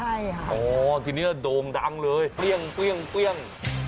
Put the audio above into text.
ใช่ครับอ๋อทีนี้โด่งดังเลยเบี้ยงเบี้ยงเบี้ยง